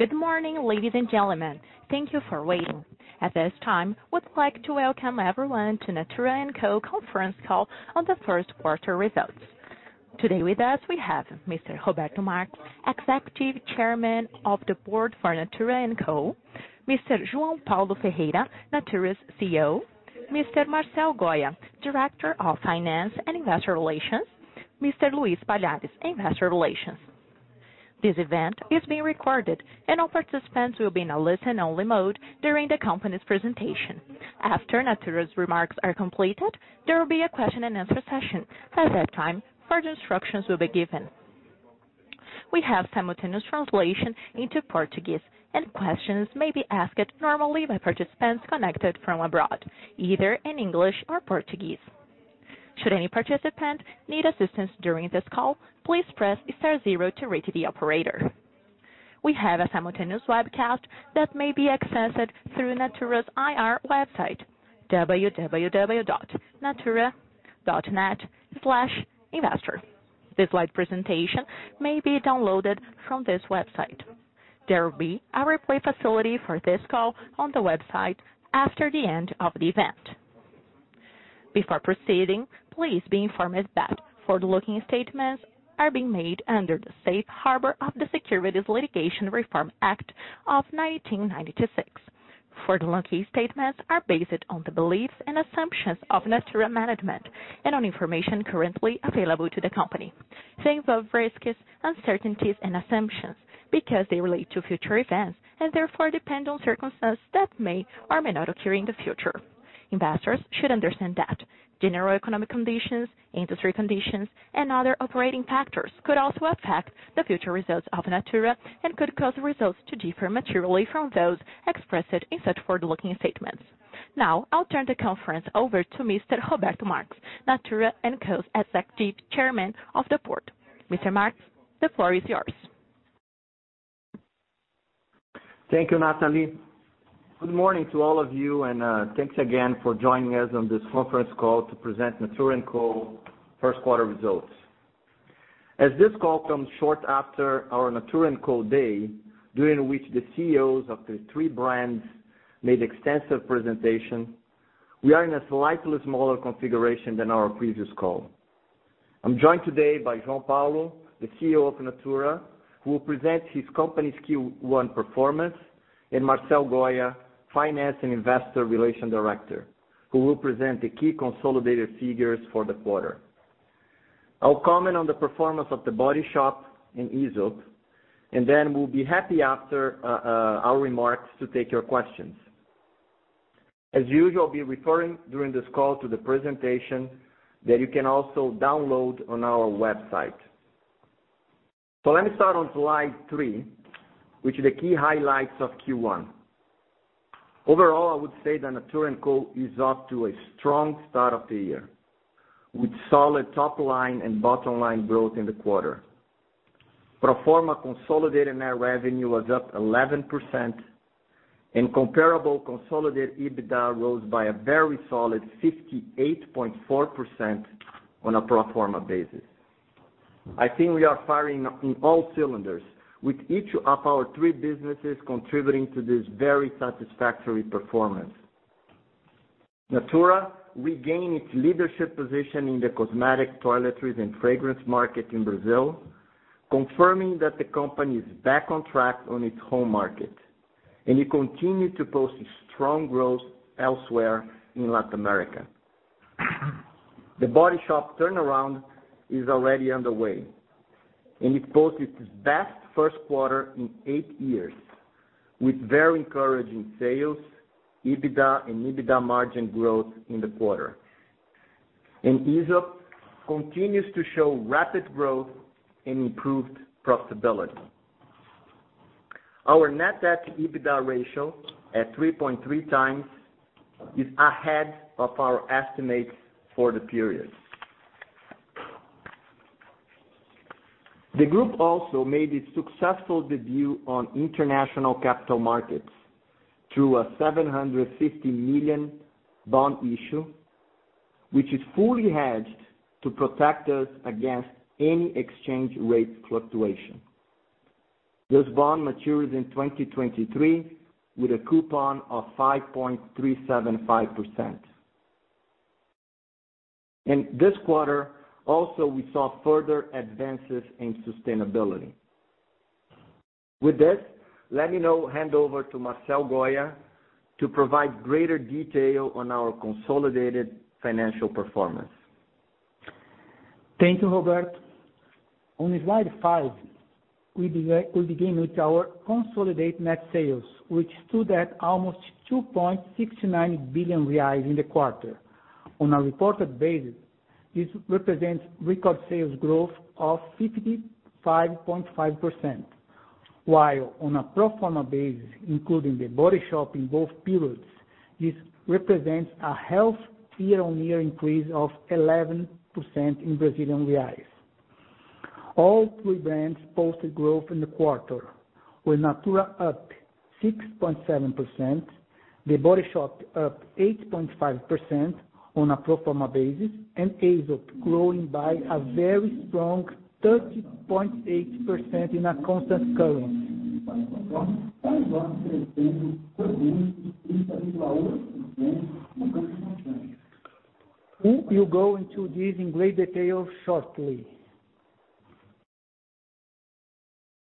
Good morning, ladies and gentlemen. Thank you for waiting. At this time, we'd like to welcome everyone to Natura & Co. conference call on the first quarter results. Today with us, we have Mr. Roberto Marques, Executive Chairman of the Board for Natura & Co., Mr. João Paulo Ferreira, Natura's CEO, José Antonio de Almeida Filippo Director of Finance and Investor Relations Mr. Luiz Palhares, Investor Relations. This event is being recorded, and all participants will be in a listen-only mode during the company's presentation. After Natura's remarks are completed, there will be a question and answer session. At that time, further instructions will be given. We have simultaneous translation into Portuguese, and questions may be asked normally by participants connected from abroad, either in English or Portuguese. Should any participant need assistance during this call, please press star zero to reach the operator. We have a simultaneous webcast that may be accessed through Natura's IR website, www.natura.net/investor. This slide presentation may be downloaded from this website. There will be a replay facility for this call on the website after the end of the event. Before proceeding, please be informed that forward-looking statements are being made under the safe harbor of the Private Securities Litigation Reform Act of 1995. Forward-looking statements are based on the beliefs and assumptions of Natura management and on information currently available to the company. They involve risks, uncertainties, and assumptions because they relate to future events and therefore depend on circumstances that may or may not occur in the future. Investors should understand that general economic conditions, industry conditions, and other operating factors could also affect the future results of Natura and could cause results to differ materially from those expressed in such forward-looking statements. I'll turn the conference over to Mr. Roberto Marques, Natura & Co.'s Executive Chairman of the Board. Mr. Marques, the floor is yours. Thank you, Natalie. Good morning to all of you, thanks again for joining us on this conference call to present Natura & Co.'s first quarter results. As this call comes short after our Natura & Co. Day, during which the CEOs of the three brands made extensive presentations, we are in a slightly smaller configuration than our previous call. I'm joined today by João Paulo, the CEO of Natura, who will present his company's Q1 performance, José Antonio de Almeida Filippo, Finance and Investor Relation Director, who will present the key consolidated figures for the quarter. I'll comment on the performance of The Body Shop and Aesop, then we'll be happy after our remarks to take your questions. As usual, I'll be referring during this call to the presentation that you can also download on our website. Let me start on slide three, which is the key highlights of Q1. Overall, I would say that Natura &Co is off to a strong start of the year, with solid top-line and bottom-line growth in the quarter. Pro forma consolidated net revenue was up 11%, and comparable consolidated EBITDA rose by a very solid 58.4% on a pro forma basis. I think we are firing on all cylinders, with each of our three businesses contributing to this very satisfactory performance. Natura regained its leadership position in the Cosmetics, Fragrances, and Toiletries market in Brazil, confirming that the company is back on track on its home market, and it continued to post strong growth elsewhere in Latin America. The Body Shop turnaround is already underway, and it posted its best first quarter in eight years, with very encouraging sales, EBITDA, and EBITDA margin growth in the quarter. Aesop continues to show rapid growth and improved profitability. Our net debt to EBITDA ratio at 3.3 times is ahead of our estimates for the period. The group also made its successful debut on international capital markets through a 750 million bond issue, which is fully hedged to protect us against any exchange rate fluctuation. This bond matures in 2023 with a coupon of 5.375%. In this quarter, also, we saw further advances in sustainability. With this, let me now hand over to José Filippo to provide greater detail on our consolidated financial performance. Thank you, Roberto. On slide five, we begin with our consolidated net sales, which stood at almost 2.69 billion reais in the quarter. On a reported basis, this represents record sales growth of 55.5%, while on a pro forma basis, including The Body Shop in both periods, this represents a healthy year-on-year increase of 11% in BRL. All three brands posted growth in the quarter, with Natura up 6.7%, The Body Shop up 8.5% on a pro forma basis, and Aesop growing by a very strong 30.8% in a constant currency. We will go into this in great detail shortly.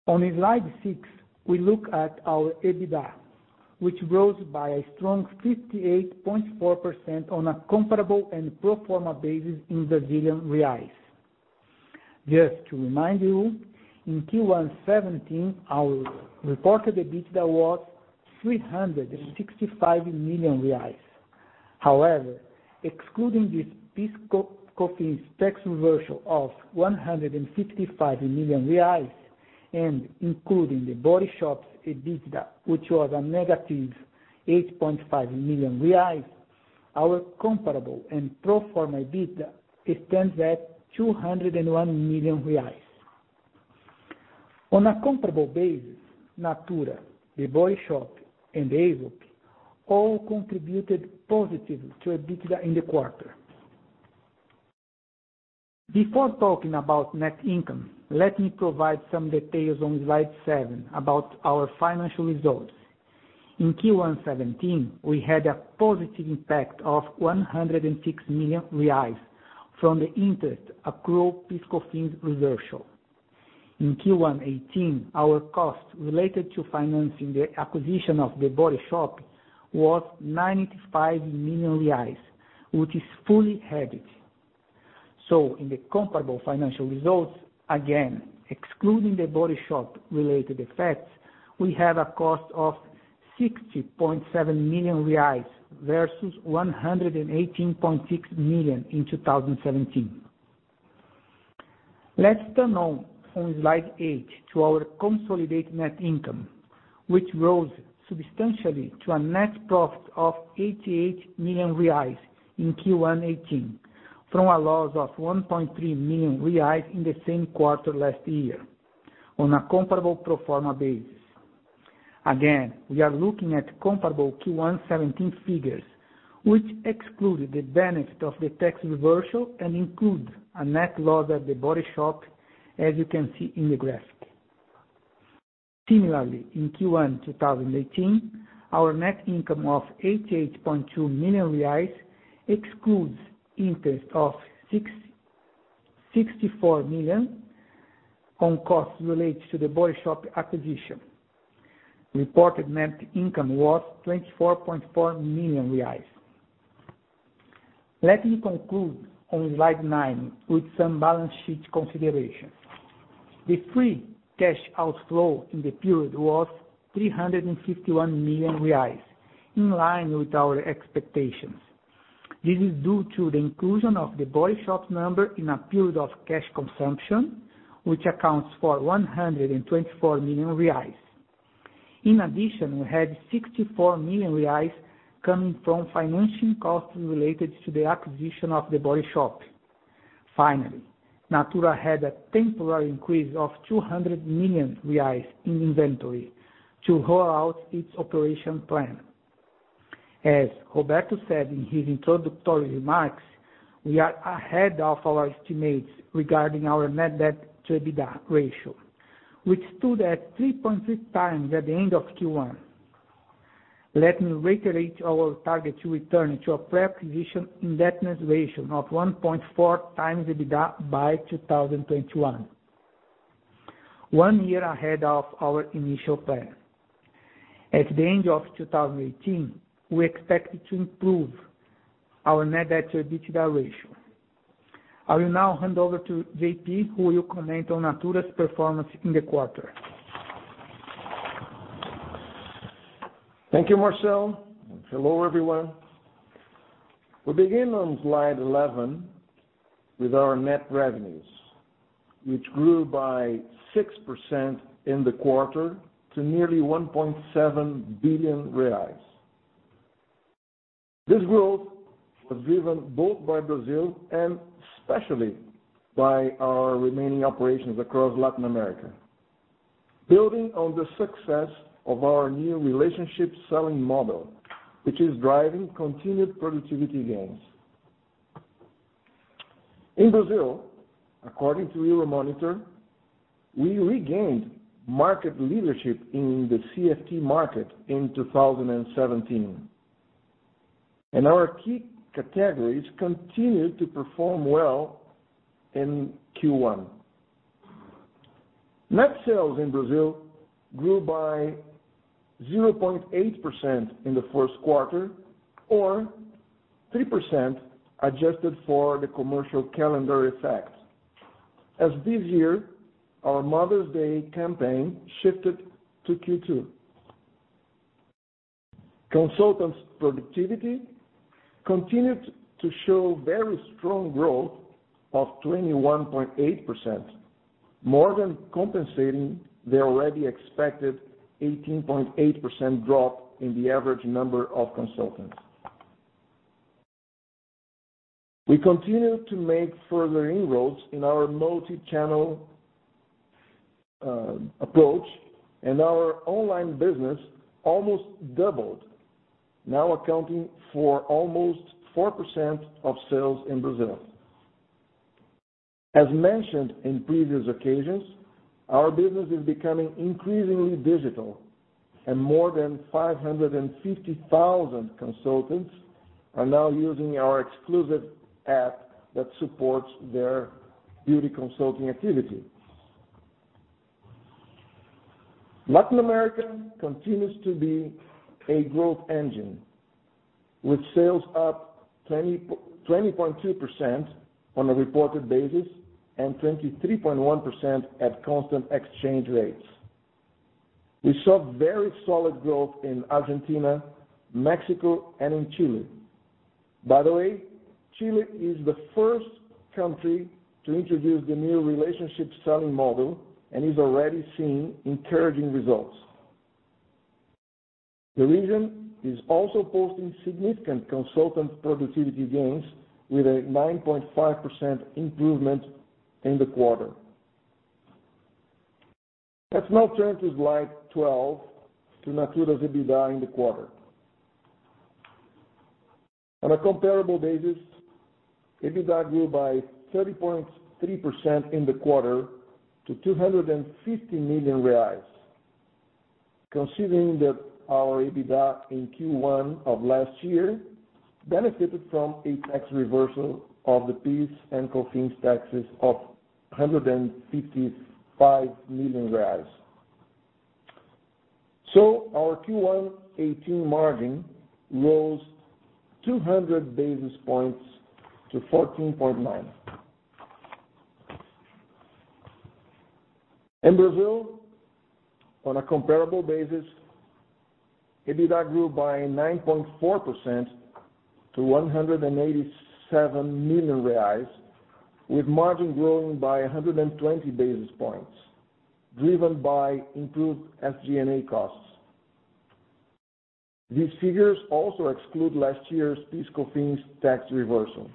On slide six, we look at our EBITDA, which grows by a strong 58.4% on a comparable and pro forma basis in BRL. Just to remind you, in Q1 2017, our reported EBITDA was 365 million reais. However, excluding this PIS/COFINS tax reversal of 155 million reais and including The Body Shop's EBITDA, which was a negative 8.5 million reais, our comparable and pro forma EBITDA stands at 201 million reais. On a comparable basis, Natura, The Body Shop, and Aesop all contributed positively to EBITDA in the quarter. Before talking about net income, let me provide some details on slide seven about our financial results. In Q1 2017, we had a positive impact of 106 million reais from the interest accrual PIS/COFINS reversal. In Q1 2018, our costs related to financing the acquisition of The Body Shop was 95 million reais, which is fully hedged. So in the comparable financial results, again, excluding The Body Shop related effects, we have a cost of 60.7 million reais versus 118.6 million in 2017. Let's turn on slide eight to our consolidated net income, which rose substantially to a net profit of 88 million reais in Q1 2018 from a loss of 1.3 million reais in the same quarter last year on a comparable pro forma basis. Again, we are looking at comparable Q1 2017 figures, which exclude the benefit of the tax reversal and include a net loss at The Body Shop, as you can see in the graphic. Similarly, in Q1 2018, our net income of 88.2 million reais excludes interest of 64 million on costs related to The Body Shop acquisition. Reported net income was 24.4 million reais. Let me conclude on slide nine with some balance sheet considerations. The free cash outflow in the period was 351 million reais, in line with our expectations. This is due to the inclusion of The Body Shop number in a period of cash consumption, which accounts for 124 million reais. In addition, we had 64 million reais coming from financing costs related to the acquisition of The Body Shop. Finally, Natura had a temporary increase of 200 million reais in inventory to roll out its operation plan. As Roberto said in his introductory remarks, we are ahead of our estimates regarding our net debt to EBITDA ratio, which stood at 3.3 times at the end of Q1. Let me reiterate our target to return to a pre-acquisition indebtedness ratio of 1.4 times EBITDA by 2021. One year ahead of our initial plan. At the end of 2018, we expect to improve our net debt to EBITDA ratio. I will now hand over to JP, who will comment on Natura's performance in the quarter. Thank you, José. Hello, everyone. We begin on slide 11 with our net revenues, which grew by 6% in the quarter to nearly 1.7 billion reais. This growth was driven both by Brazil and especially by our remaining operations across Latin America. Building on the success of our new relationship selling model, which is driving continued productivity gains. In Brazil, according to Euromonitor, we regained market leadership in the CF&T market in 2017, and our key categories continued to perform well in Q1. Net sales in Brazil grew by 0.8% in the first quarter, or 3% adjusted for the commercial calendar effect. As this year, our Mother's Day campaign shifted to Q2. Consultants' productivity continued to show very strong growth of 21.8%, more than compensating the already expected 18.8% drop in the average number of consultants. We continue to make further inroads in our multi-channel approach and our online business almost doubled, now accounting for almost 4% of sales in Brazil. As mentioned in previous occasions, our business is becoming increasingly digital, and more than 550,000 consultants are now using our exclusive app that supports their beauty consulting activity. Latin America continues to be a growth engine, with sales up 20.2% on a reported basis and 23.1% at constant exchange rates. We saw very solid growth in Argentina, Mexico, and in Chile. By the way, Chile is the first country to introduce the new relationship selling model and is already seeing encouraging results. The region is also posting significant consultant productivity gains with a 9.5% improvement in the quarter. Let's now turn to slide 12 to Natura's EBITDA in the quarter. On a comparable basis, EBITDA grew by 30.3% in the quarter to 250 million reais. Considering that our EBITDA in Q1 of last year benefited from a tax reversal of the PIS and COFINS taxes of 155 million reais. Our Q1 2018 margin rose 200 basis points to 14.9%. In Brazil, on a comparable basis, EBITDA grew by 9.4% to 187 million reais, with margin growing by 120 basis points, driven by improved SG&A costs. These figures also exclude last year's PIS/COFINS tax reversal.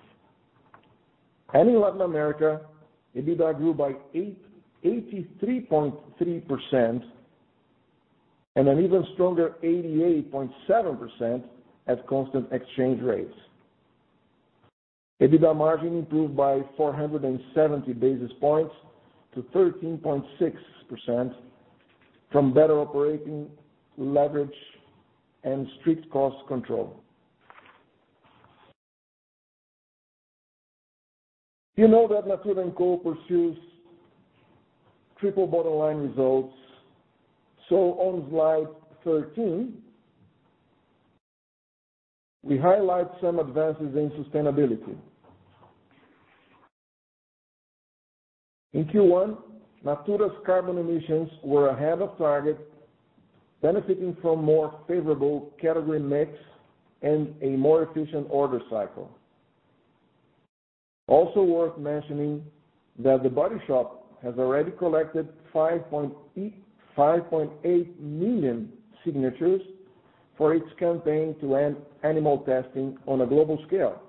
In Latin America, EBITDA grew by 83.3% and an even stronger 88.7% at constant exchange rates. EBITDA margin improved by 470 basis points to 13.6% from better operating leverage and strict cost control. You know that Natura & Co pursues triple bottom line results. On slide 13, we highlight some advances in sustainability. In Q1, Natura's carbon emissions were ahead of target, benefiting from more favorable category mix and a more efficient order cycle. Also worth mentioning that The Body Shop has already collected 5.8 million signatures for its campaign to end animal testing on a global scale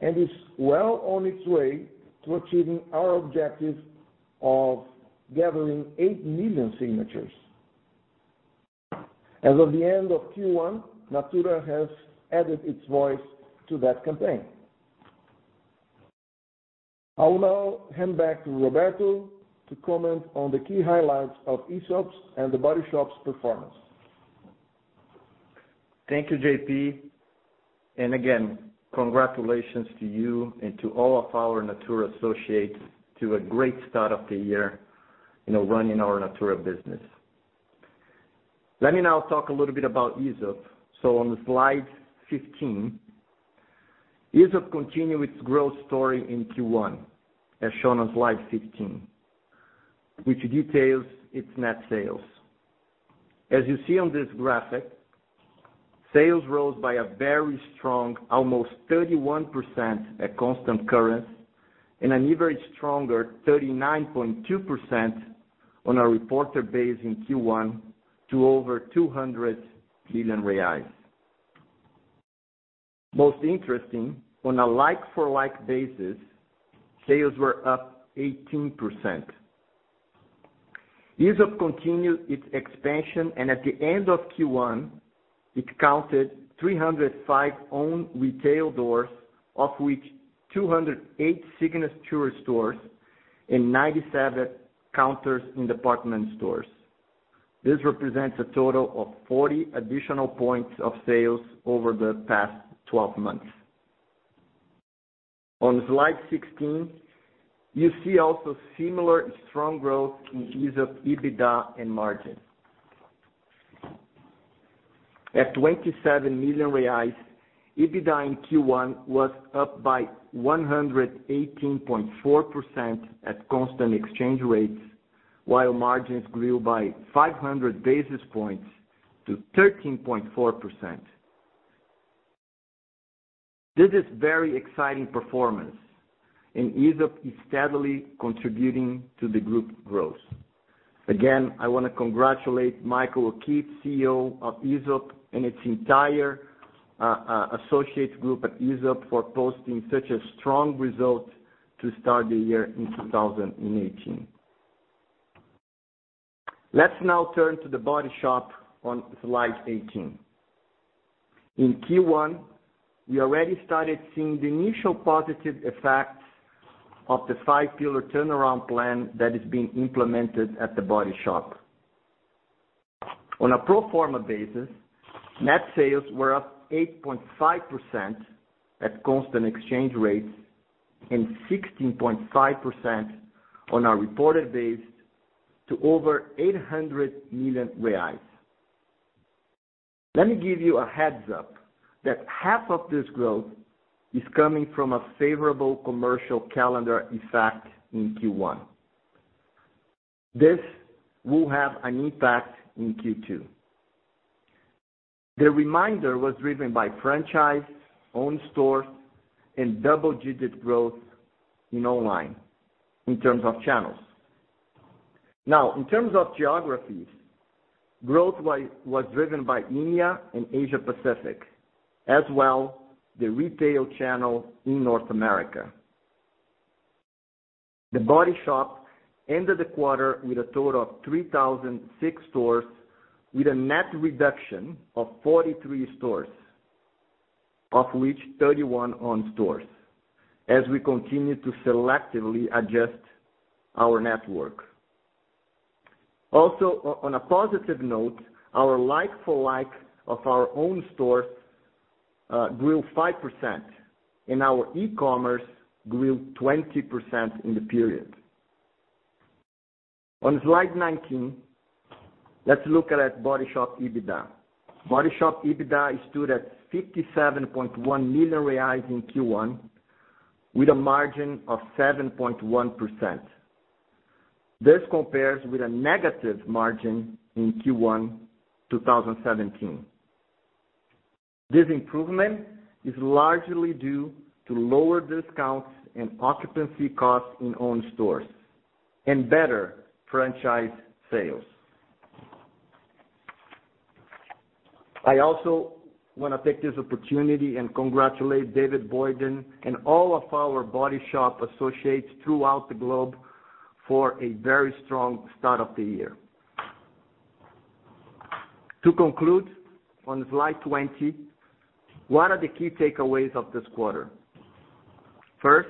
and is well on its way to achieving our objective of gathering 8 million signatures. As of the end of Q1, Natura has added its voice to that campaign. I will now hand back to Roberto to comment on the key highlights of Aesop's and The Body Shop's performance. Thank you, J.P. Again, congratulations to you and to all of our Natura associates to a great start of the year in running our Natura business. Let me now talk a little bit about Aesop. On slide 15, Aesop continued its growth story in Q1, as shown on slide 15, which details its net sales. As you see on this graphic, sales rose by a very strong almost 31% at constant currency and an even stronger 39.2% on a reported base in Q1 to over 200 million reais. Most interesting, on a like-for-like basis, sales were up 18%. Aesop continued its expansion and at the end of Q1, it counted 305 owned retail doors, of which 208 signature stores and 97 counters in department stores. This represents a total of 40 additional points of sales over the past 12 months. On slide 16, you see also similar strong growth in Aesop EBITDA and margin. At 27 million reais, EBITDA in Q1 was up by 118.4% at constant exchange rates, while margins grew by 500 basis points to 13.4%. This is very exciting performance. Aesop is steadily contributing to the group growth. Again, I want to congratulate Michael O'Keeffe, CEO of Aesop, and its entire associate group at Aesop for posting such a strong result to start the year in 2018. Let's now turn to The Body Shop on slide 18. In Q1, we already started seeing the initial positive effects of the five-pillar turnaround plan that is being implemented at The Body Shop. On a pro forma basis, net sales were up 8.5% at constant exchange rates and 16.5% on a reported basis to over 800 million reais. Let me give you a heads-up that half of this growth is coming from a favorable commercial calendar effect in Q1. This will have an impact in Q2. The remainder was driven by franchise, own stores, and double-digit growth in online in terms of channels. In terms of geographies, growth was driven by India and Asia Pacific, as well the retail channel in North America. The Body Shop ended the quarter with a total of 3,006 stores, with a net reduction of 43 stores, of which 31 owned stores, as we continue to selectively adjust our network. On a positive note, our like-for-like of our own stores grew 5% and our e-commerce grew 20% in the period. On slide 19, let's look at The Body Shop EBITDA. The Body Shop EBITDA stood at 57.1 million reais in Q1, with a margin of 7.1%. This compares with a negative margin in Q1 2017. This improvement is largely due to lower discounts and occupancy costs in owned stores and better franchise sales. I also want to take this opportunity and congratulate David Boynton and all of our The Body Shop associates throughout the globe for a very strong start of the year. To conclude, on slide 20, what are the key takeaways of this quarter? First,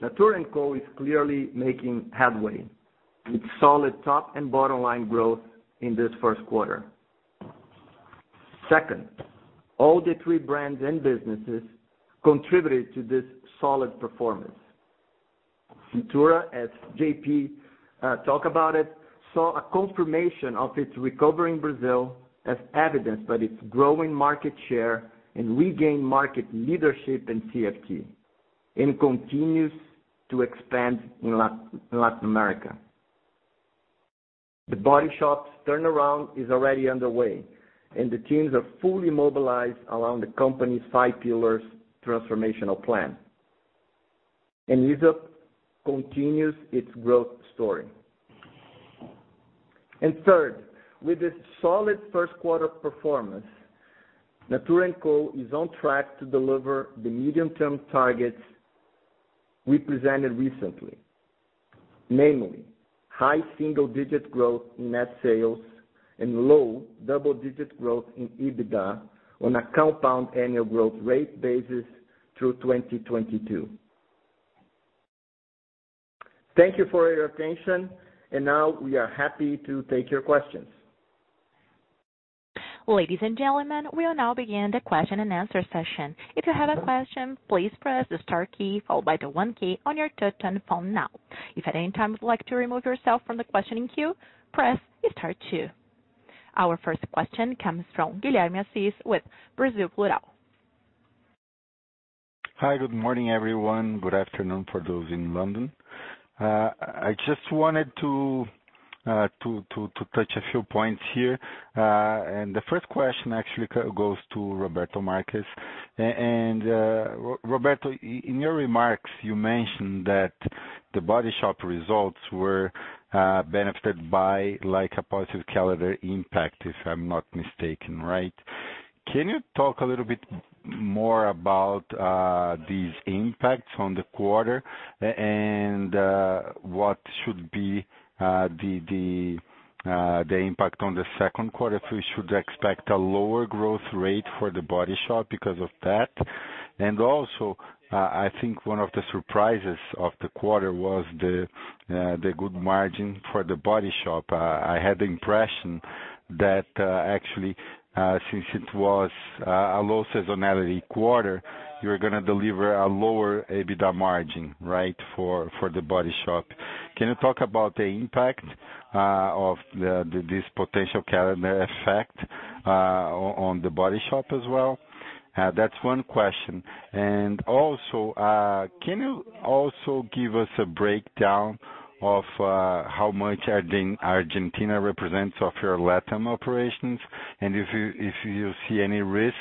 Natura & Co. is clearly making headway with solid top and bottom line growth in this first quarter. Second, all the three brands and businesses contributed to this solid performance. Natura, as J.P. talked about it, saw a confirmation of its recovery in Brazil as evidenced by its growing market share and regained market leadership in CF&T and continues to expand in Latin America. The Body Shop's turnaround is already underway, and the teams are fully mobilized around the company's five pillars transformational plan. Aesop continues its growth story. Third, with this solid first quarter performance, Natura & Co. is on track to deliver the medium-term targets we presented recently. Namely, high single-digit growth in net sales and low double-digit growth in EBITDA on a compound annual growth rate basis through 2022. Thank you for your attention, and now we are happy to take your questions. Ladies and gentlemen, we'll now begin the question and answer session. If you have a question, please press the star key followed by the one key on your telephone now. If at any time you'd like to remove yourself from the questioning queue, press star two. Our first question comes from Guilherme Assis with Brasil Plural. Hi, good morning, everyone. Good afternoon for those in London. I just wanted to touch a few points here. The first question actually goes to Roberto Marques. Roberto, in your remarks, you mentioned that The Body Shop results were benefited by a positive calendar impact, if I'm not mistaken, right? Can you talk a little bit more about these impacts on the quarter and what should be the impact on the second quarter? If we should expect a lower growth rate for The Body Shop because of that? Also, I think one of the surprises of the quarter was the good margin for The Body Shop. I had the impression that actually, since it was a low seasonality quarter, you're going to deliver a lower EBITDA margin, right, for The Body Shop. Can you talk about the impact of this potential calendar effect on The Body Shop as well? That's one question. Also, can you also give us a breakdown of how much Argentina represents of your LatAm operations? If you see any risks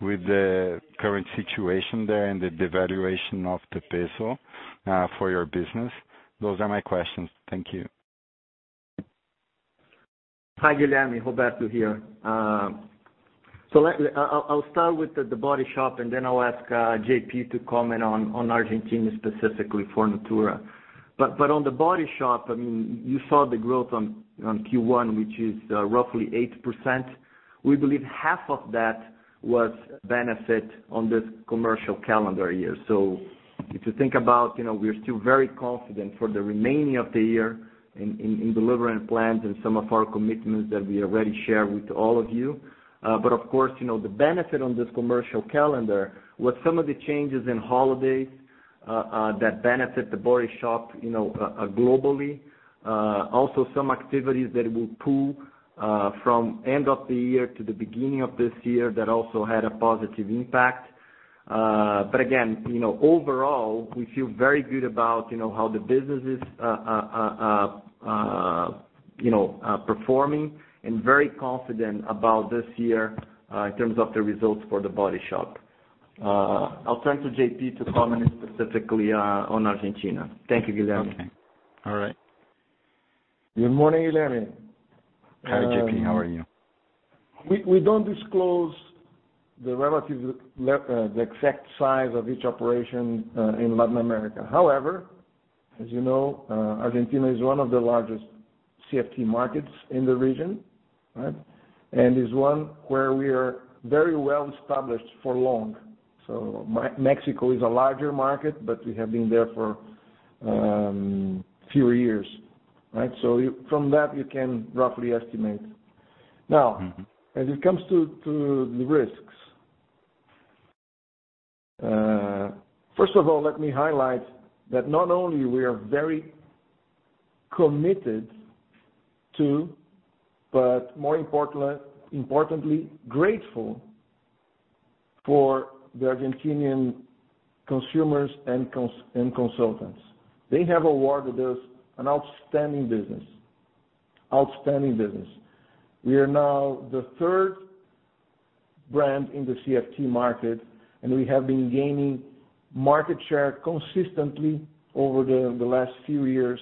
with the current situation there and the devaluation of the peso for your business. Those are my questions. Thank you. Hi, Guilherme. Roberto here. I'll start with The Body Shop, and then I'll ask JP to comment on Argentina, specifically for Natura. On The Body Shop, you saw the growth on Q1, which is roughly 8%. We believe half of that was benefit on this commercial calendar year. If you think about it, we're still very confident for the remaining of the year in delivering plans and some of our commitments that we already shared with all of you. Of course, the benefit on this commercial calendar was some of the changes in holidays that benefit The Body Shop globally. Some activities that will pull from end of the year to the beginning of this year that also had a positive impact. Again, overall, we feel very good about how the business is performing and very confident about this year in terms of the results for The Body Shop. I'll turn to JP to comment specifically on Argentina. Thank you, Guilherme. Okay. All right. Good morning, Guilherme. Hi, J.P. How are you? We do not disclose the exact size of each operation in Latin America. However, as you know, Argentina is one of the largest CF&T markets in the region, right? Is one where we are very well established for long. Mexico is a larger market, but we have been there for fewer years, right? From that, you can roughly estimate. Now, as it comes to the risks, first of all, let me highlight that not only we are very committed to, but more importantly, grateful for the Argentinian consumers and consultants. They have awarded us an outstanding business. Outstanding business. We are now the third brand in the CF&T market, and we have been gaining market share consistently over the last few years,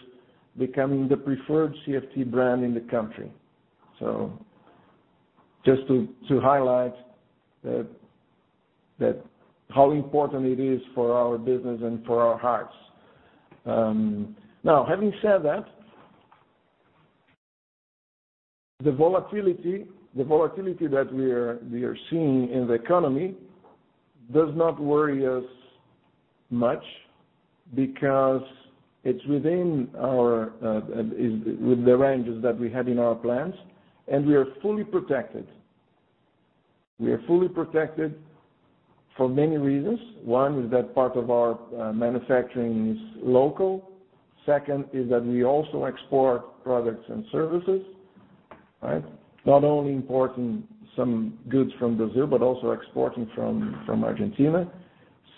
becoming the preferred CF&T brand in the country. Just to highlight how important it is for our business and for our hearts. Having said that, the volatility that we are seeing in the economy does not worry us much because it's within the ranges that we had in our plans, and we are fully protected. We are fully protected for many reasons. One is that part of our manufacturing is local. Second is that we also export products and services. Not only importing some goods from Brazil, but also exporting from Argentina.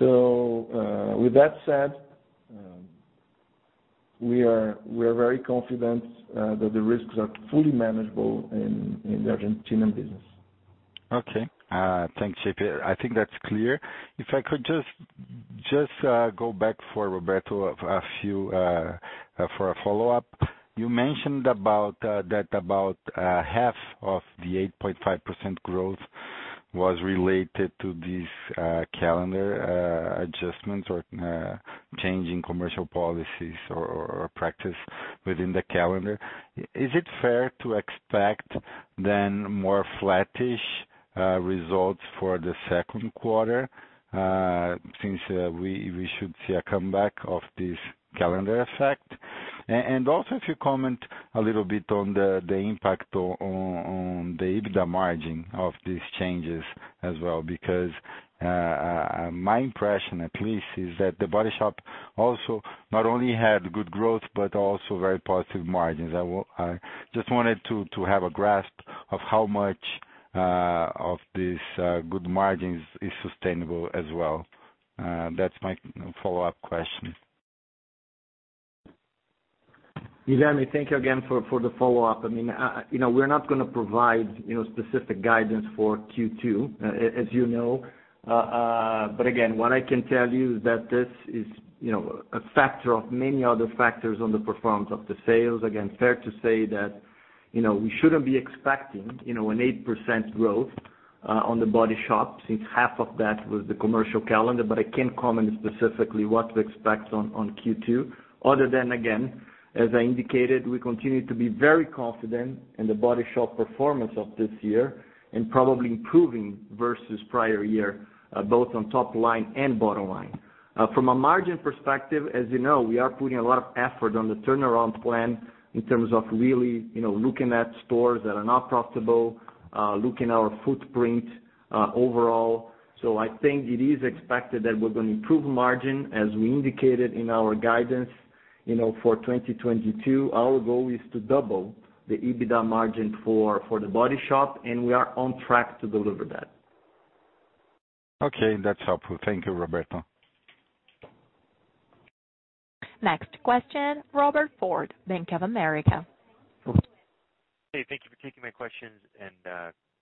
With that said, we are very confident that the risks are fully manageable in the Argentinian business. Thanks, J.P. I think that's clear. If I could just go back for Roberto for a follow-up. You mentioned that about half of the 8.5% growth was related to these calendar adjustments or change in commercial policies or practice within the calendar. Is it fair to expect then more flattish results for the second quarter, since we should see a comeback of this calendar effect? Also, if you comment a little bit on the impact on the EBITDA margin of these changes as well, because my impression at least is that The Body Shop also not only had good growth, but also very positive margins. I just wanted to have a grasp of how much of these good margins is sustainable as well. That's my follow-up question. Guilherme, thank you again for the follow-up. We're not going to provide specific guidance for Q2, as you know. Again, what I can tell you is that this is a factor of many other factors on the performance of the sales. Again, fair to say that we shouldn't be expecting an 8% growth on The Body Shop since half of that was the commercial calendar. I can't comment specifically what to expect on Q2 other than, again, as I indicated, we continue to be very confident in The Body Shop performance of this year and probably improving versus prior year, both on top line and bottom line. From a margin perspective, as you know, we are putting a lot of effort on the turnaround plan in terms of really looking at stores that are not profitable, looking our footprint overall. I think it is expected that we're going to improve margin as we indicated in our guidance for 2022. Our goal is to double the EBITDA margin for The Body Shop, and we are on track to deliver that. Okay, that's helpful. Thank you, Roberto. Next question, Robert Ford, Bank of America. Hey, thank you for taking my questions, and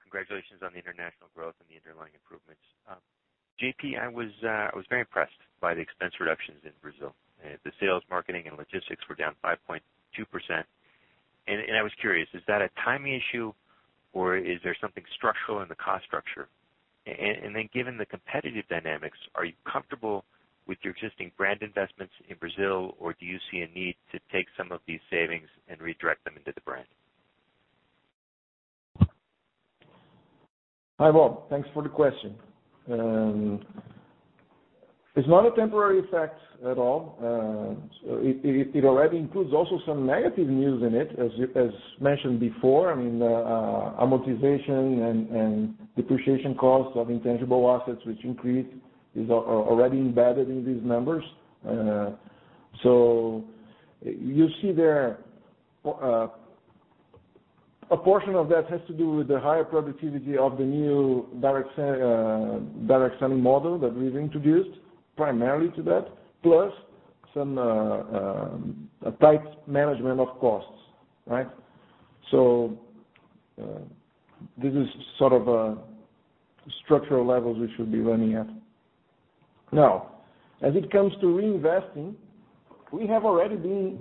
congratulations on the international growth and the underlying improvements. JP, I was very impressed by the expense reductions in Brazil. The sales, marketing, and logistics were down 5.2%. I was curious, is that a timing issue, or is there something structural in the cost structure? Given the competitive dynamics, are you comfortable with your existing brand investments in Brazil, or do you see a need to take some of these savings and redirect them into the brand? Hi, Bob. Thanks for the question. It's not a temporary effect at all. It already includes also some negative news in it, as mentioned before. I mean, amortization and depreciation costs of intangible assets, which increase, is already embedded in these numbers. You see there, a portion of that has to do with the higher productivity of the new direct selling model that we've introduced, primarily to that, plus some tight management of costs. This is sort of structural levels we should be running at. Now, as it comes to reinvesting, we have already been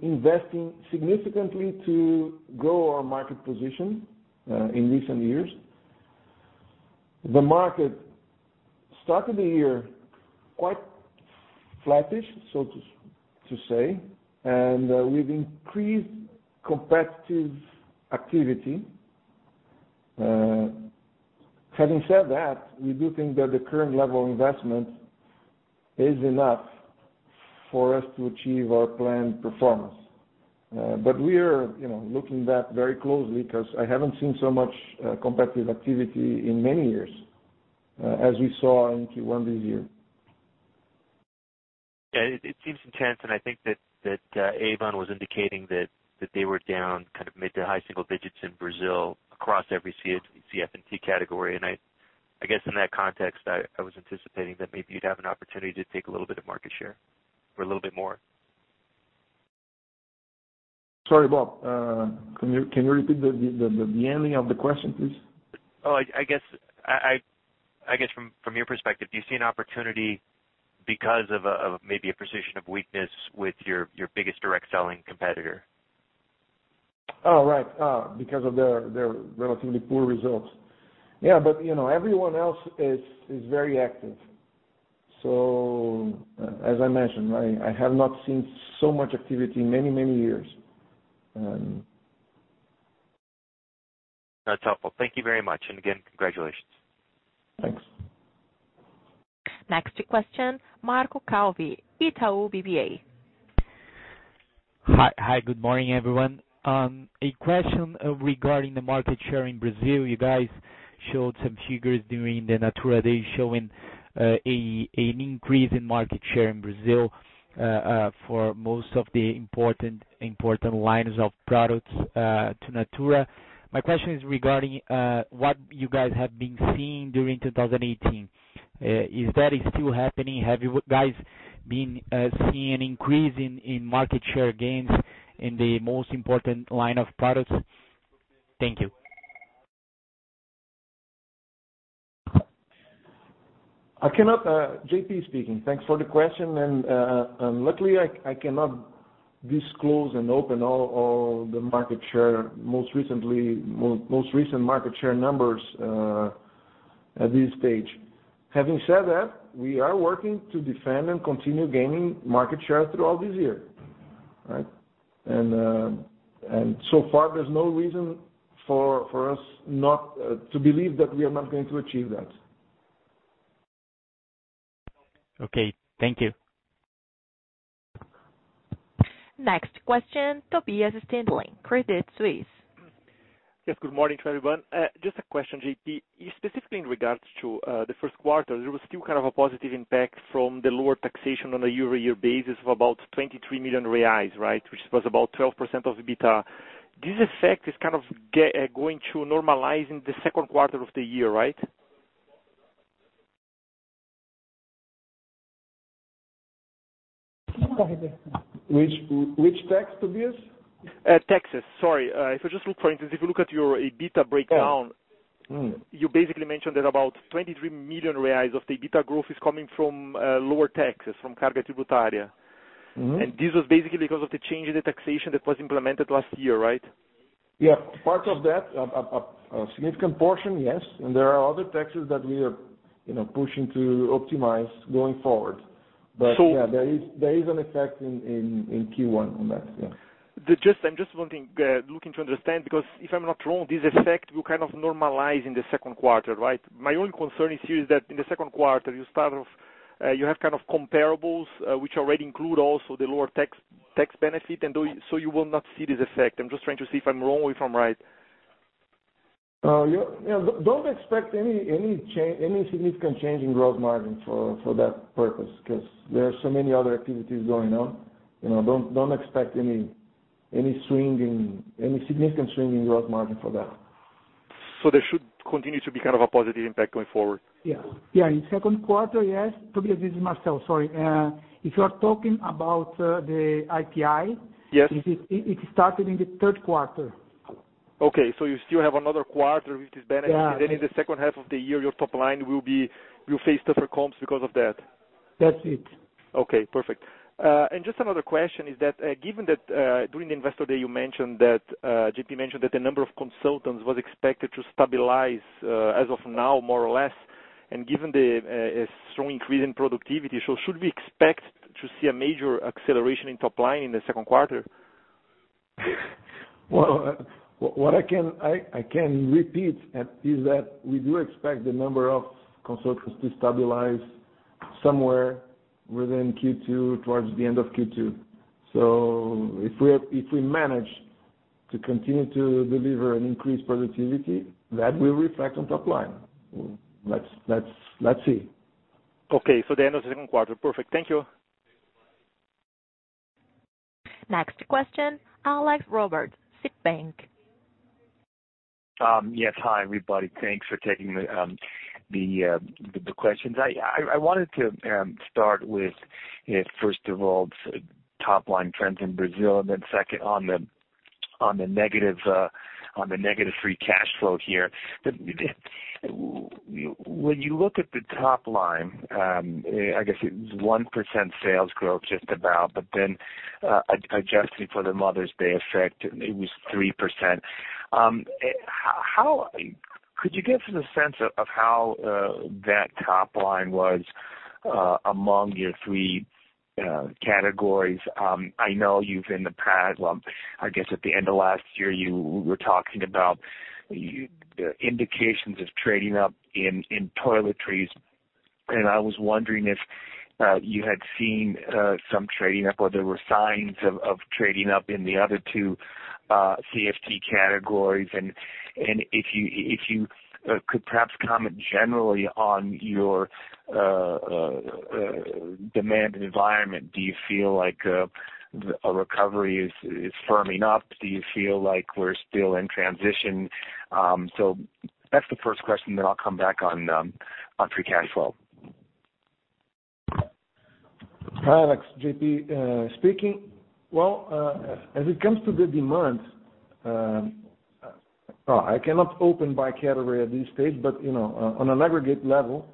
investing significantly to grow our market position in recent years. The market started the year quite flattish, so to say, and we've increased competitive activity. Having said that, we do think that the current level of investment is enough for us to achieve our planned performance. We are looking back very closely because I haven't seen so much competitive activity in many years as we saw in Q1 this year. Yeah, it seems intense, and I think that Avon was indicating that they were down mid to high single digits in Brazil across every CF&T category. I guess in that context, I was anticipating that maybe you'd have an opportunity to take a little bit of market share or a little bit more. Sorry, Bob. Can you repeat the ending of the question, please? Oh, I guess from your perspective, do you see an opportunity because of maybe a position of weakness with your biggest direct selling competitor? Oh, right. Because of their relatively poor results. Yeah, everyone else is very active. As I mentioned, I have not seen so much activity in many years. That's helpful. Thank you very much. Again, congratulations. Thanks. Next question, Marco Calvi, Itaú BBA. Hi, good morning, everyone. A question regarding the market share in Brazil. You guys showed some figures during the Natura Day showing an increase in market share in Brazil for most of the important lines of products to Natura. My question is regarding what you guys have been seeing during 2018. Is that still happening? Have you guys been seeing an increase in market share gains in the most important line of products? Thank you. JP speaking. Thanks for the question. Luckily, I cannot disclose and open all the market share, most recent market share numbers at this stage. Having said that, we are working to defend and continue gaining market share throughout this year. Right? So far, there's no reason for us not to believe that we are not going to achieve that. Okay. Thank you. Next question, Tobias Stingelin, Credit Suisse. Yes, good morning to everyone. Just a question, JP. Specifically in regards to the first quarter, there was still kind of a positive impact from the lower taxation on a year-over-year basis of about 23 million reais, right, which was about 12% of the EBITDA. This effect is kind of going to normalize in the second quarter of the year, right? Which tax, Tobias? Taxes. Sorry. If I just look, for instance, if you look at your EBITDA breakdown- Oh. Mm. You basically mentioned that about 23 million reais of the EBITDA growth is coming from lower taxes, from Carga Tributária. This was basically because of the change in the taxation that was implemented last year, right? Yeah. Part of that. A significant portion, yes. There are other taxes that we are pushing to optimize going forward. So- Yeah, there is an effect in Q1 on that. Yeah. I'm just looking to understand because if I'm not wrong, this effect will kind of normalize in the second quarter, right? My only concern is here is that in the second quarter, you have comparables, which already include also the lower tax benefit, so you will not see this effect. I'm just trying to see if I'm wrong or if I'm right. Don't expect any significant change in growth margin for that purpose because there are so many other activities going on. Don't expect any significant swing in growth margin for that. There should continue to be kind of a positive impact going forward. Yeah. In second quarter, yes. Tobias, this is Marcel. Sorry. If you are talking about the IPI. Yes It started in the third quarter. Okay. You still have another quarter, which is better. Yeah. In the second half of the year, your top line will face tougher comps because of that. That's it. Okay, perfect. Just another question is that, given that during the Natura Day, JP mentioned that the number of consultants was expected to stabilize as of now, more or less. Given the strong increase in productivity, should we expect to see a major acceleration in top line in the second quarter? Well, what I can repeat is that we do expect the number of consultants to stabilize somewhere within Q2, towards the end of Q2. If we manage to continue to deliver an increased productivity, that will reflect on top line. Let's see. Okay. At the end of the second quarter. Perfect. Thank you. Next question, Alexandre Roberts, Citibank. Yes. Hi, everybody. Thanks for taking the questions. I wanted to start with, first of all, top line trends in Brazil, second on the negative free cash flow here. When you look at the top line, I guess it was 1% sales growth, just about, adjusting for the Mother's Day effect, it was 3%. Could you give us a sense of how that top line was among your three categories? I know you've in the past, well, I guess at the end of last year, you were talking about the indications of trading up in toiletries, and I was wondering if you had seen some trading up or there were signs of trading up in the other two CF&T categories. If you could perhaps comment generally on your demand environment. Do you feel like a recovery is firming up? Do you feel like we're still in transition? That's the first question. I'll come back on free cash flow. Hi, Alex. JP speaking. Well, as it comes to the demand, I cannot open by category at this stage, but on an aggregate level,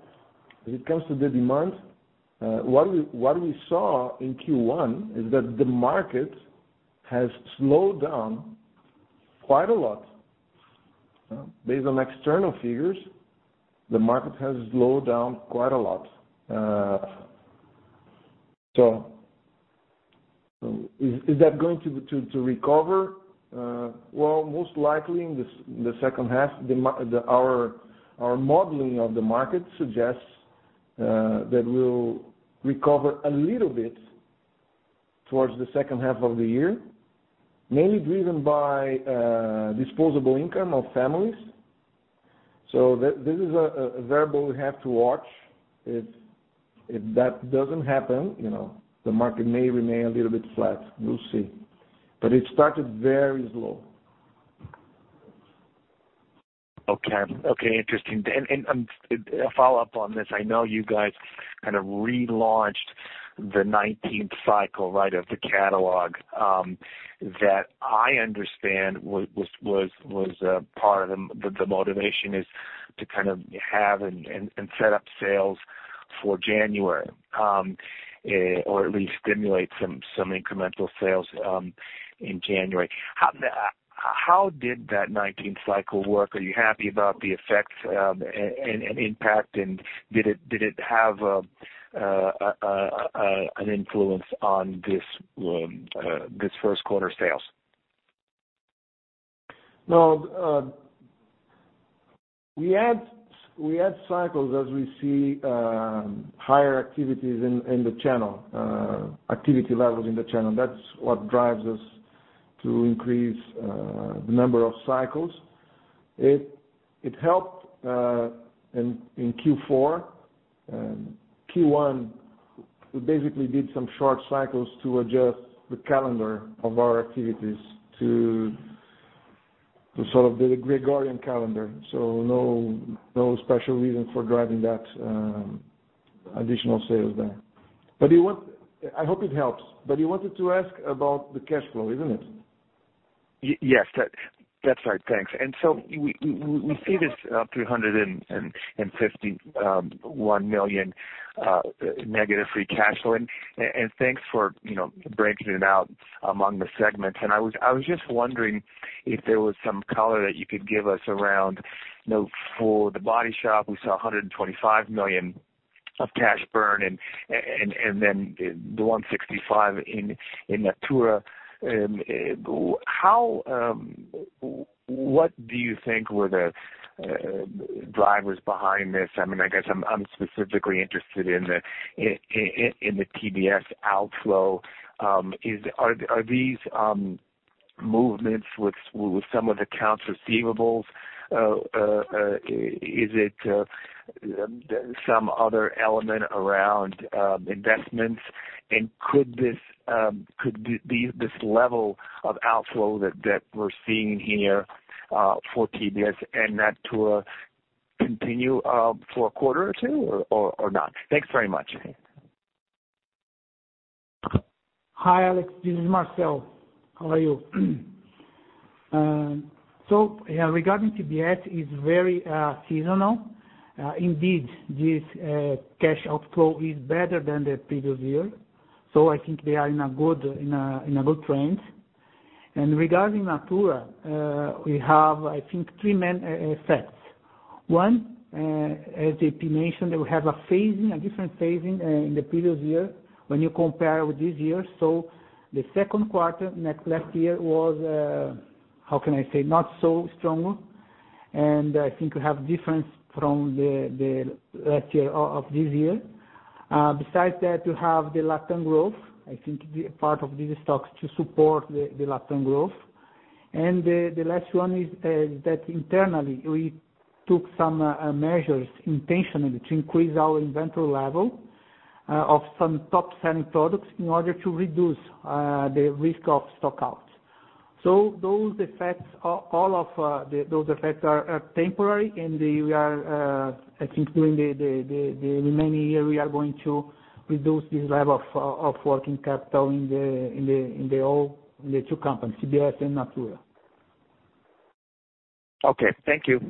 as it comes to the demand, what we saw in Q1 is that the market has slowed down quite a lot. Based on external figures, the market has slowed down quite a lot. Is that going to recover? Well, most likely in the second half, our modeling of the market suggests that we'll recover a little bit towards the second half of the year, mainly driven by disposable income of families. This is a variable we have to watch. If that doesn't happen, the market may remain a little bit flat. We'll see. It started very slow. Okay. Interesting. A follow-up on this, I know you guys kind of relaunched the 19th cycle, right, of the catalog. That I understand was part of the motivation is to kind of have and set up sales for January, or at least stimulate some incremental sales in January. How did that 19th cycle work? Are you happy about the effects and impact, and did it have an influence on this first quarter sales? No. We add cycles as we see higher activities in the channel, activity levels in the channel. That's what drives us to increase the number of cycles. It helped in Q4. Q1, we basically did some short cycles to adjust the calendar of our activities to sort of the Gregorian calendar. No special reason for driving that additional sales there. I hope it helps, you wanted to ask about the cash flow, isn't it? Yes. That's right. Thanks. We see this 351 million negative free cash flow. Thanks for breaking it out among the segments. I was just wondering if there was some color that you could give us around for The Body Shop, we saw 125 million of cash burn and then 165 in Natura. What do you think were the drivers behind this? I guess I'm specifically interested in the TBS outflow. Are these movements with some of accounts receivables? Is it some other element around investments, and could this level of outflow that we're seeing here for TBS and Natura continue for a quarter or two or not? Thanks very much. Hi, Alex. This is Marcel. How are you? Yeah, regarding TBS, it's very seasonal. Indeed, this cash outflow is better than the previous year, so I think we are in a good trend. Regarding Natura, we have, I think, three main effects. One, as JP mentioned, we have a different phasing in the previous year when you compare with this year. The second quarter last year was, how can I say? Not so strong. I think we have difference from last year of this year. Besides that, we have the Latin growth. I think part of these stocks to support the Latin growth. The last one is that internally, we took some measures intentionally to increase our inventory level of some top-selling products in order to reduce the risk of stock-outs. All of those effects are temporary and I think during the remaining year, we are going to reduce this level of working capital in the two companies, TBS and Natura. Okay. Thank you.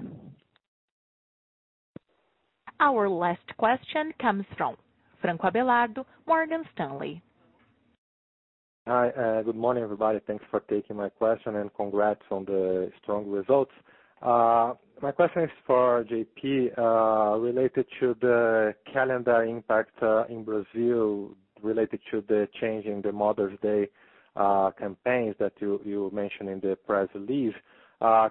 Our last question comes from Francisco Abelardo, Morgan Stanley. Hi. Good morning, everybody. Thanks for taking my question, and congrats on the strong results. My question is for J.P., related to the calendar impact in Brazil, related to the change in the Mother's Day campaigns that you mentioned in the press release.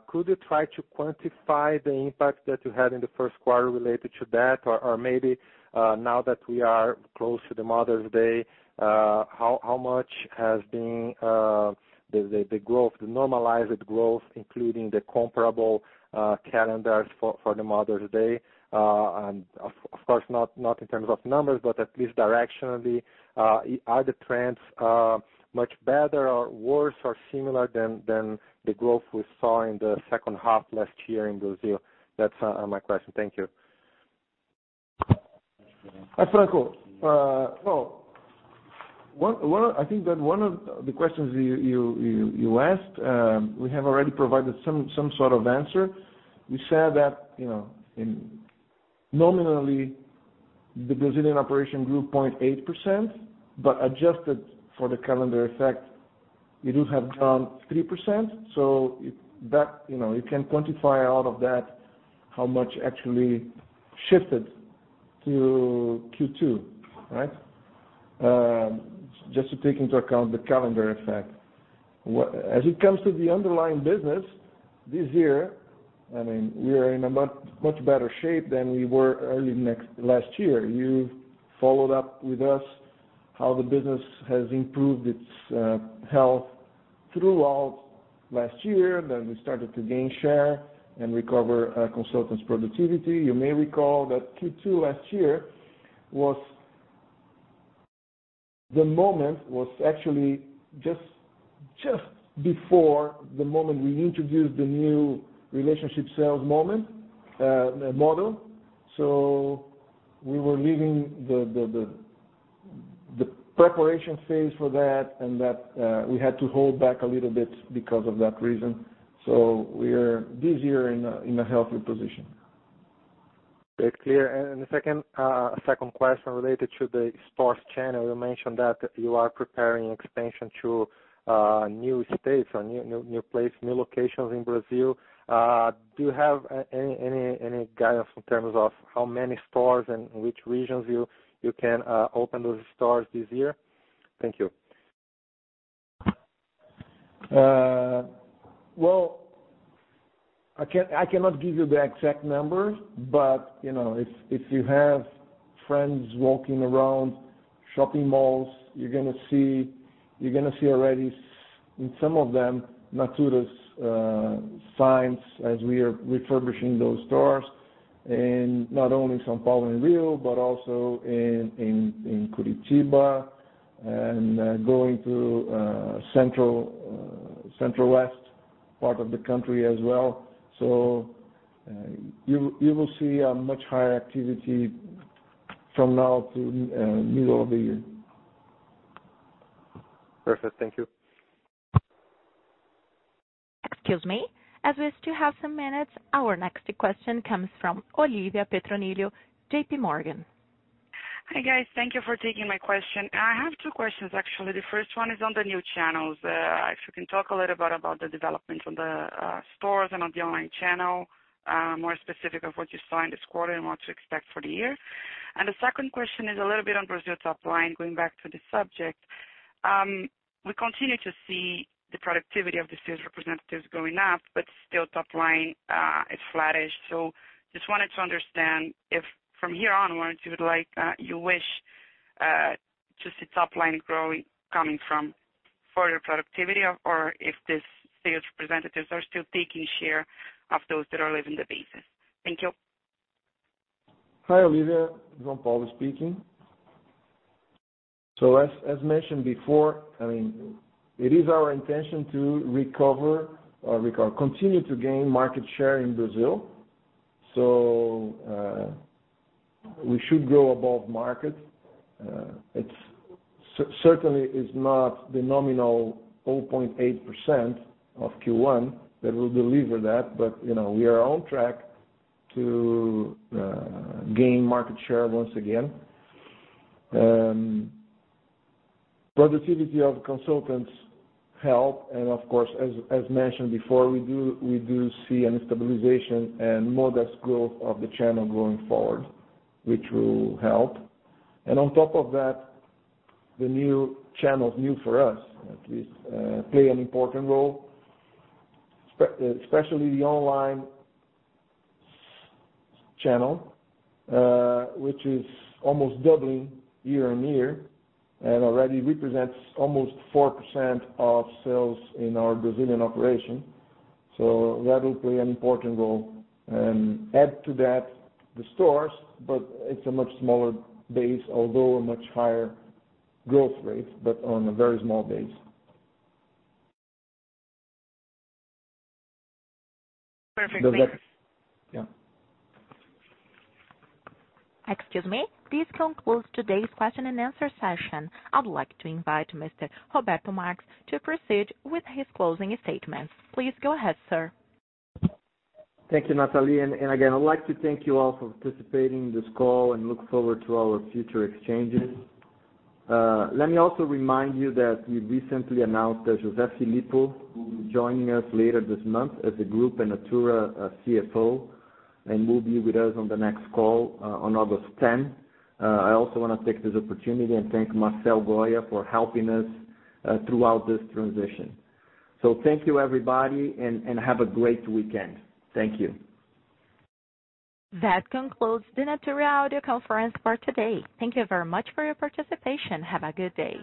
Could you try to quantify the impact that you had in the first quarter related to that? Or maybe now that we are close to Mother's Day, how much has been the normalized growth, including the comparable calendars for Mother's Day? Of course, not in terms of numbers, but at least directionally. Are the trends much better or worse or similar than the growth we saw in the second half last year in Brazil? That's my question. Thank you. Hi, Franco. I think that one of the questions you asked, we have already provided some sort of answer. We said that nominally, the Brazilian operation grew 0.8%, but adjusted for the calendar effect, it would have grown 3%. You can quantify out of that how much actually shifted to Q2, right? Just to take into account the calendar effect. As it comes to the underlying business this year, we are in a much better shape than we were early last year. You followed up with us how the business has improved its health throughout last year. We started to gain share and recover our consultants' productivity. You may recall that Q2 last year, the moment was actually just before the moment we introduced the new relationship sales model. We were leaving the preparation phase for that, and that we had to hold back a little bit because of that reason. We are, this year, in a healthy position. Very clear. The second question related to the stores channel. You mentioned that you are preparing expansion to new states or new places, new locations in Brazil. Do you have any guidance in terms of how many stores and which regions you can open those stores this year? Thank you. Well, I cannot give you the exact numbers, but if you have friends walking around shopping malls, you're going to see already in some of them Natura's signs as we are refurbishing those stores in not only São Paulo and Rio, but also in Curitiba and going to Central West part of the country as well. You will see a much higher activity from now to middle of the year. Perfect. Thank you. Excuse me. As we still have some minutes, our next question comes from Olivia Petronilho, J.P. Morgan. Hi, guys. Thank you for taking my question. I have two questions, actually. The first one is on the new channels. If you can talk a little about the development on the stores and on the online channel, more specific of what you saw in this quarter and what to expect for the year. The second question is a little bit on Brazil top line, going back to the subject. We continue to see the productivity of the sales representatives going up, but still top line is flattish. Just wanted to understand if from here onwards, you wish to see top line growing coming from further productivity, or if these sales representatives are still taking share of those that are leaving the bases. Thank you. Hi, Olivia. João Paulo speaking. As mentioned before, it is our intention to recover or continue to gain market share in Brazil. We should grow above market. It certainly is not the nominal 0.8% of Q1 that will deliver that, but we are on track to gain market share once again. Productivity of consultants help, and of course, as mentioned before, we do see a stabilization and modest growth of the channel going forward, which will help. On top of that, the new channels, new for us at least, play an important role, especially the online channel, which is almost doubling year-on-year and already represents almost 4% of sales in our Brazilian operation. That will play an important role. Add to that the stores, but it's a much smaller base, although a much higher growth rate, but on a very small base. Perfect. Thanks. Yeah. Excuse me. This concludes today's question and answer session. I would like to invite Mr. Roberto Marques to proceed with his closing statements. Please go ahead, sir. Thank you, Natalie. Again, I'd like to thank you all for participating in this call and look forward to our future exchanges. Let me also remind you that we recently announced that José Filippo will be joining us later this month as a group and Natura CFO, and will be with us on the next call on August 10th. I also want to take this opportunity and thank José Filippo for helping us throughout this transition. Thank you, everybody, and have a great weekend. Thank you. That concludes the Natura audio conference for today. Thank you very much for your participation. Have a good day.